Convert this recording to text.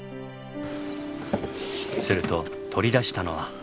すると取り出したのは。